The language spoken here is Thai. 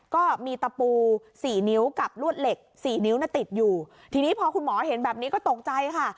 ก็มีตะปูสี่นิ้วกับลวดเหล็กสี่นิ้วน่ะติดอยู่ทีนี้พอคุณหมอเห็นแบบนี้ก็ตกใจค่ะ